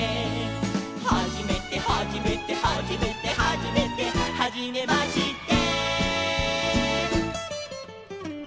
「はじめてはじめてはじめてはじめて」「はじめまして」